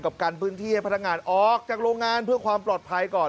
กันพื้นที่ให้พนักงานออกจากโรงงานเพื่อความปลอดภัยก่อน